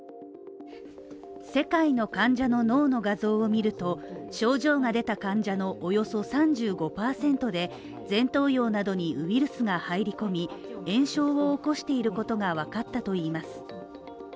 世界の患者の脳の画像を見ると症状が出た患者のおよそ３５％で前頭葉などにウイルスが入り込み、炎症を起こしていることが分かったといいます。